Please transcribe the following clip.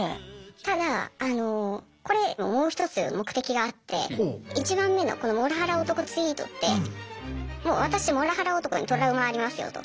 ただあのこれもう一つ目的があって１番目のこの「モラハラ男ツイート」ってもう「私モラハラ男にトラウマありますよ」と。